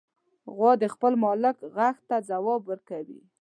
غوا د خپل مالک غږ ته ځواب ورکوي.